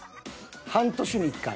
半年に１回。